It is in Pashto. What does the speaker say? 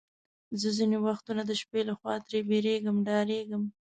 زه ځینې وختونه د شپې له خوا ترې بیریږم، ډارېږم.